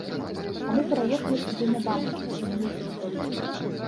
А мы пераехалі сюды нядаўна зусім, месяц толькі.